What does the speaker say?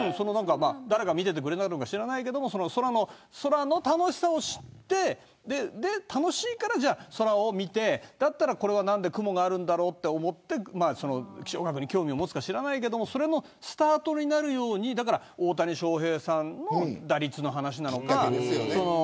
誰が見ていてくれたのか知らないけど空の楽しさを知って楽しいから空を見てこれは何で雲があるんだろうと思って気象学に興味を持つか知らないけどそのスタートになるように大谷翔平さんの打率の話なのか。